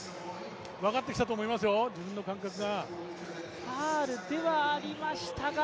分かってきたと思いますよ、自分の感覚が。